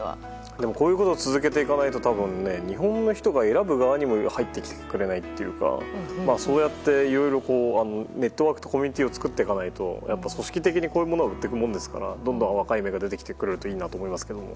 でもこういうことを続けていかないと、たぶんね、日本の人が選ぶ側にも入ってくれないというか、そうやって、いろいろネットワークとコミュニティーを作っていかないと、やっぱり組織的にこういうものは売っていくものですから、どんどん若い芽が出てきてくれるといいなと思いますけども。